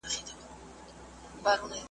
د دې کښت حاصل قاتل زموږ د ځان دی `